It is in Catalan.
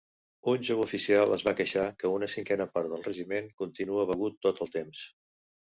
Un jove oficial es va queixar que una cinquena part del regiment continua begut tot el temps.